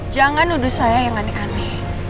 jangan nuduh saya yang aneh aneh